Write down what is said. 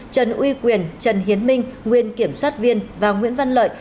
trần uy quyền trần hiến minh nguyên kiểm soát viên và nguyễn văn lợi